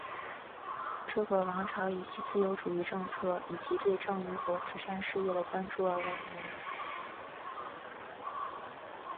这个王朝以其自由主义政策以及对正义和慈善事业的关注而闻名。